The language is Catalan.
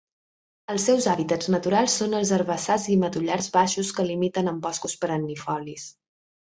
Els seus hàbitats naturals són els herbassars i matollars baixos que limiten amb boscos perennifolis.